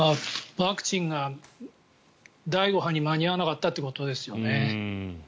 ワクチンが第５波に間に合わなかったということですよね。